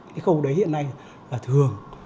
cái khâu đấy hiện nay là thường